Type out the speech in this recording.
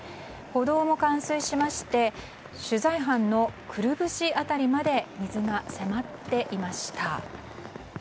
歩道も冠水しまして取材班のくるぶし辺りまで水が迫っていました。